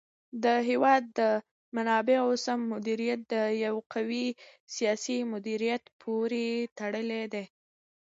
د هېواد د منابعو سم مدیریت د یو قوي سیاسي مدیریت پورې تړلی دی.